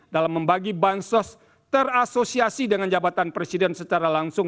dalam membagi bansos terasosiasi dengan jabatan presiden secara langsung